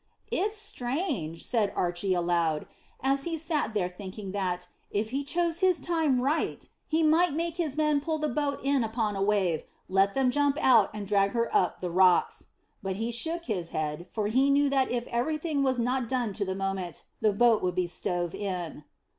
"It's strange," said Archy aloud, as he sat there thinking that, if he chose his time right, he might make his men pull the boat in upon a wave, let them jump out and drag her up the rocks. But he shook his head, for he knew that if everything was not done to the moment, the boat would be stove in.